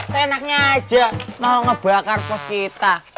seenaknya aja mau ngebakar pos kita